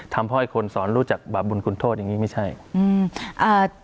ทำให้คนสอนรู้จักบาปบุญคุณโทษอย่างงี้ไม่ใช่อืมอ่า